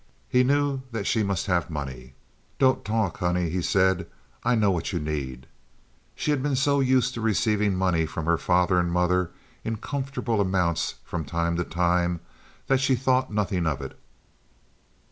He knew that she must have money. "Don't talk, honey," he said. "I know what you need." She had been so used to receiving money from her father and mother in comfortable amounts from time to time that she thought nothing of it.